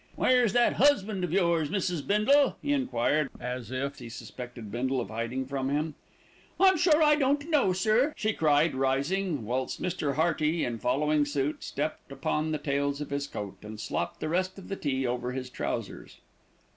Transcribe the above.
"Where's that husband of yours, Mrs. Bindle?" he enquired, as if he suspected Bindle of hiding from him. "I'm sure I don't know, sir," she cried, rising, whilst Mr. Hearty, in following suit, stepped upon the tails of his coat and slopped the rest of the tea over his trousers.